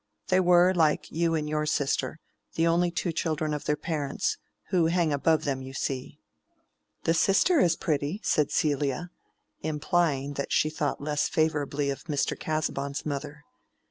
They were, like you and your sister, the only two children of their parents, who hang above them, you see." "The sister is pretty," said Celia, implying that she thought less favorably of Mr. Casaubon's mother.